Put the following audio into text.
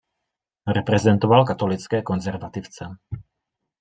Reprezentoval katolické konzervativce.